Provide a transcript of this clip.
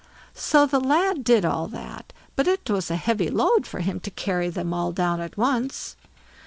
So the lad did all that; but it was a heavy load for him to carry them all down at once.